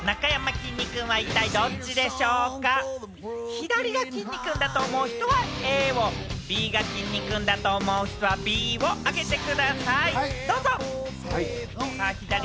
左がきんに君だと思う人はＡを、右が、きんに君だと思う人はＢを上げてください、どうぞ。